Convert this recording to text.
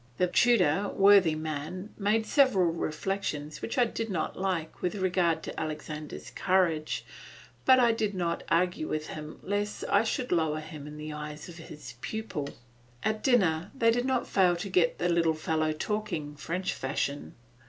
The tutor, worthy man, made several reflections which I did not like with regard to Alexander's courage, but I did not argue with him lest I should lower him in the eyes of his pupil. At dinner they did not fail to get the little fellow talking, French fashion.